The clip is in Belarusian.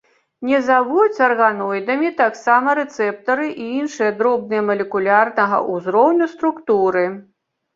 Не завуць арганоідамі таксама рэцэптары і іншыя дробныя, малекулярнага ўзроўню, структуры.